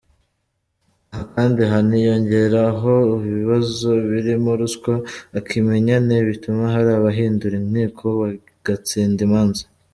Aha kandi haniyongeraho ibibazo birimo ruswa, ikimenyane bituma hari abahindura inkiko bagatsinda imanza.